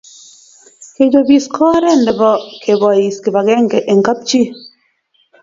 Kechopis ko oret nebo kebois kipakenge eng kapchi